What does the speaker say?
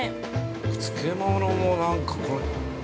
漬物も、なんかこれ。